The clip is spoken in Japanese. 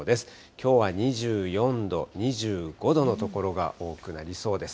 きょうは２４度、２５度の所が多くなりそうです。